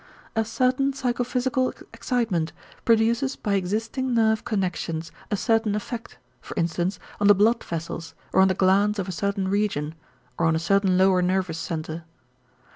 A certain psychophysical excitement produces by existing nerve connections a certain effect, for instance, on the blood vessels or on the glands of a certain region, or on a certain lower nervous center.